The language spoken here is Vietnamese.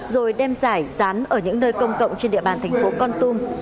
rồi đem giải dán ở những nơi công cộng trên địa bàn thành phố con tum